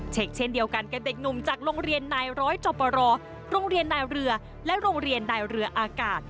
เช่นเดียวกันกับเด็กหนุ่มจากโรงเรียนนายร้อยจอปรโรงเรียนนายเรือและโรงเรียนนายเรืออากาศ